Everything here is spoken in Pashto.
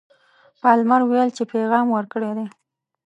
پالمر ویل چې پیغام ورکړی دی.